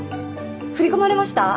振り込まれました？